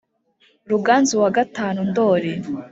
ruganzu wa gatanundoli